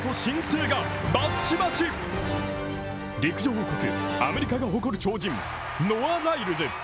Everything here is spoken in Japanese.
陸上王国アメリカが誇る超人ノア・ライルズ。